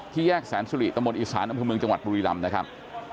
แยกแสนสุริตะมนตอีสานอำเภอเมืองจังหวัดบุรีรำนะครับ